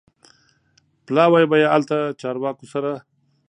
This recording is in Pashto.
پلاوی به یې هلته چارواکو سره